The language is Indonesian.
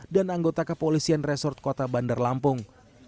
anggota kepolisian resort kota bandar lampung